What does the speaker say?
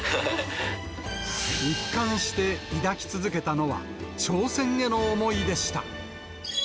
一貫して抱き続けたのは、挑戦への思いでした。